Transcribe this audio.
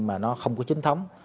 mà nó không có chính thống